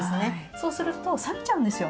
そうするとさびちゃうんですよ。